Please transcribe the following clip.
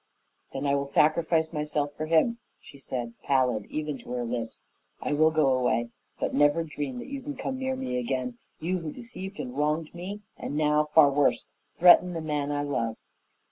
"Then I will sacrifice myself for him," she said, pallid even to her lips. "I will go away. But never dream that you can come near me again you who deceived and wronged me, and now, far worse, threaten the man I love."